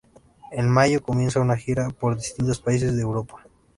En Mayo comienzan una gira por distintos países de Europa.